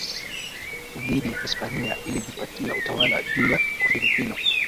dhidi Hispania ilijipatia utawala juu ya Ufilipino